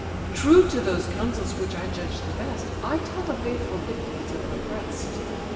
True to those counsels which I judge the best, I tell the faithful dictates of my breast.